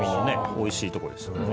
おいしいとこですよね。